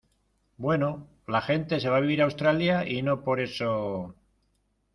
bueno, la gente se va a vivir a Australia y no por eso